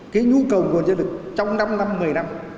cái nhu cầu nguồn nhân lực trong năm năm một mươi năm